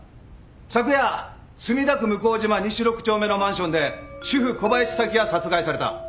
昨夜墨田区向島西６丁目のマンションで主婦小林早紀が殺害された。